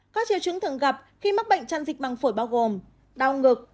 có triều trứng thận gặp khi mắc bệnh tràn dịch măng phổi bao gồm đau ngực